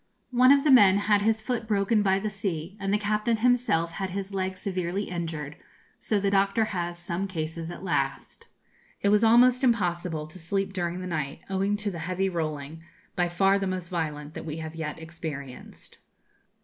One of the men had his foot broken by the sea, and the captain himself had his leg severely injured; so the Doctor has some cases at last. It was almost impossible to sleep during the night, owing to the heavy rolling, by far the most violent that we have yet experienced.